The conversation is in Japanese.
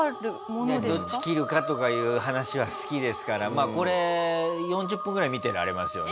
どっち切るかとかいう話は好きですからまあこれ４０分ぐらい見てられますよね。